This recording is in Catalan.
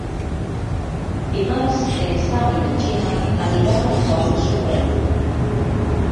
Dimarts en Sam i na Gina aniran al Pont de Suert.